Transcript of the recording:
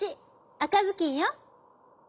あかずきんよ」。